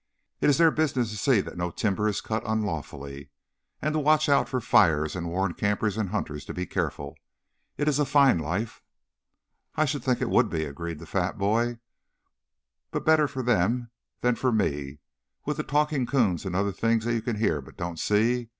"It is their business to see that no timber is cut unlawfully and to watch out for fires and warn campers and hunters to be careful. It is a fine life." "I should think it would be," agreed the fat boy. "But better for them than for me, with the talking 'coons and other things that you can hear but don't see.